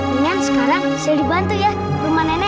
nenek sekarang sally bantu ya rumah nenek